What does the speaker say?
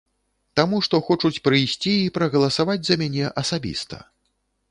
Таму што хочуць прыйсці і прагаласаваць за мяне асабіста.